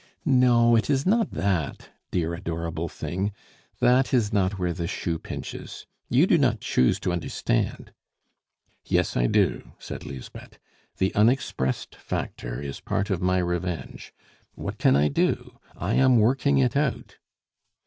"No, it is not that, dear, adorable thing; that is not where the shoe pinches; you do not choose to understand." "Yes, I do," said Lisbeth. "The unexpressed factor is part of my revenge; what can I do? I am working it out."